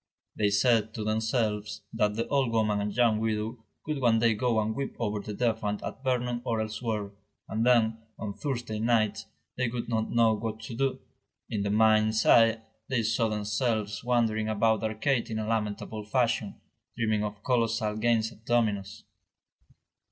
They said to themselves that the old woman and young widow would one day go and weep over the defunct at Vernon or elsewhere, and then, on Thursday nights, they would not know what to do. In the mind's eye they saw themselves wandering about the arcade in a lamentable fashion, dreaming of colossal games at dominoes.